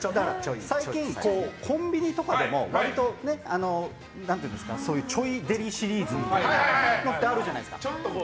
最近、コンビニとかでも割と割とそういうちょいデリシリーズみたいなのあるじゃないですか。